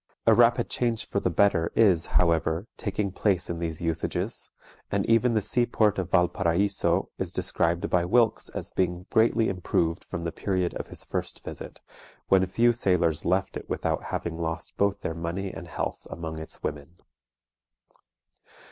A rapid change for the better is, however, taking place in these usages, and even the sea port of Valparaiso is described by Wilkes as being greatly improved from the period of his first visit, when few sailors left it without having lost both their money and health among its women.